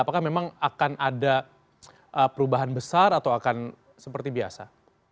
apakah memang akan ada perubahan besar atau akan seperti biasa